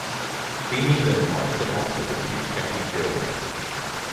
Feeney then marched him off to the Hughes County jail.